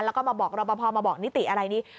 แล้วก็มาบอกรอปภมาบอกนิติอะไรนี้